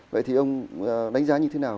vậy thì ông đánh giá như thế nào